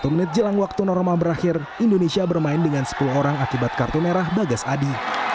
satu menit jelang waktu normal berakhir indonesia bermain dengan sepuluh orang akibat kartu merah bagas adi